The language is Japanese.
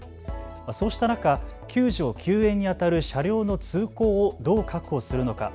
そうした中、救助・救援にあたる車両の通行をどう確保するのか。